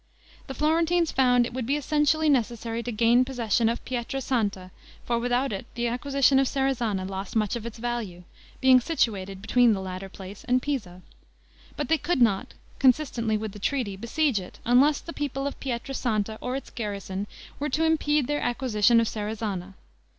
The Florentines found it would be essentially necessary to gain possession of Pietra Santa, for without it the acquisition of Serezana lost much of its value, being situated between the latter place and Pisa; but they could not, consistently with the treaty, besiege it, unless the people of Pietra Santa, or its garrison, were to impede their acquisition of Serezana.